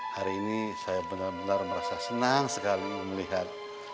hari ini saya benar benar merasa senang sekali melihat